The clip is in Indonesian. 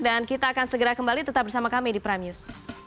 dan kita akan segera kembali tetap bersama kami di prime news